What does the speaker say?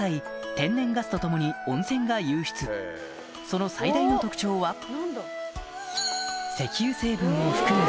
その最大の特徴はを含む